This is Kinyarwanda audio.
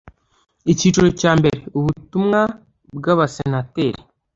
Icyiciro cya mbere Ubutumwa bw Abasenateri